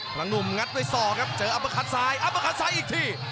หลังหนุ่มงัดด้วยศอกครับเจออัปคัดซ้ายอัพมาคัดซ้ายอีกที